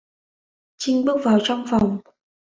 Chinh bước vào trong phòng